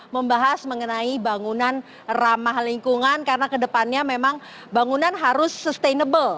membahas mengenai bangunan ramah lingkungan karena kedepannya memang bangunan harus sustainable